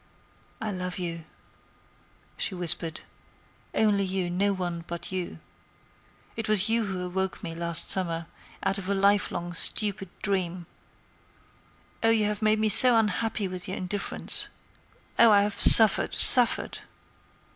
"I love you," she whispered, "only you; no one but you. It was you who awoke me last summer out of a life long, stupid dream. Oh! you have made me so unhappy with your indifference. Oh! I have suffered, suffered!